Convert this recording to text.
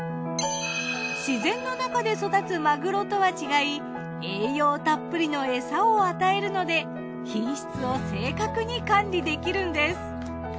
自然の中で育つマグロとは違い栄養たっぷりの餌を与えるので品質を正確に管理できるんです。